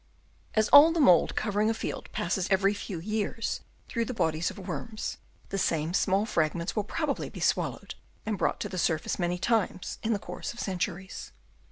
As all the mould covering a field passes every few years through the bodies of worms, the same small fragments will probably be swallowed and brought to the surface many times in the course of cen turies.